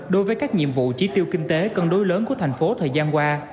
đối với các nhiệm vụ chỉ tiêu kinh tế cân đối lớn của thành phố thời gian qua